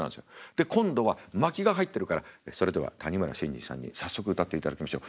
で今度は巻きが入ってるから「それでは谷村新司さんに早速歌っていただきましょう。